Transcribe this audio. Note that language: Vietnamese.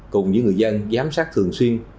cùng với người dân giám sát thường xuyên